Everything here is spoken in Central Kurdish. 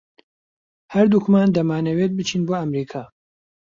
ھەردووکمان دەمانەوێت بچین بۆ ئەمریکا.